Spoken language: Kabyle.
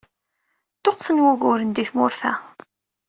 Ṭuqqten wuguren di tmurt-a.